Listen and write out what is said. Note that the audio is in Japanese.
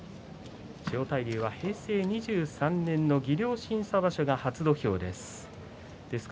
千代大龍は平成２３年の技量審査場所が初土俵です。